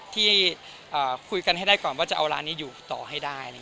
ที่คุยกันให้ได้ก่อนว่าจะเอาร้านนี้อยู่ต่อให้ได้